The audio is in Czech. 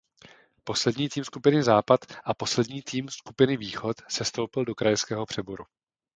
Poslední tým skupiny západ a poslední tým skupiny východ sestoupil do krajského přeboru.